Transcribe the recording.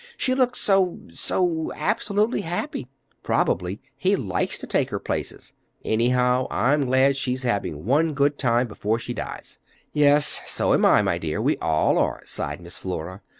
She looked so—so absolutely happy! Probably he likes to take her to places. Anyhow, I'm glad she's having one good time before she dies." "Yes, so am I, my dear. We all are," sighed Miss Flora.